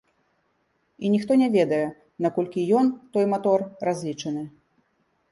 І ніхто не ведае, наколькі ён, той матор, разлічаны.